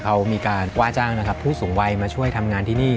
เขามีการว่าจ้างนะครับผู้สูงวัยมาช่วยทำงานที่นี่